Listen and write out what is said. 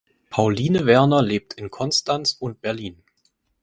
Pauline Werner lebt in Konstanz und Berlin.